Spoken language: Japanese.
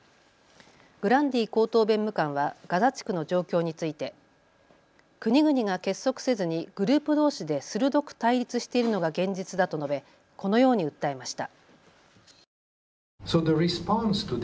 グランディ高等弁務官はガザ地区の状況について国々が結束せずにグループどうしで鋭く対立しているのが現実だと述べ、このように訴えました。